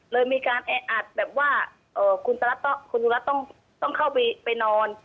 เลยมีการแออัดแบบว่าคุณสุรัตน์ต้องเข้าไปนอน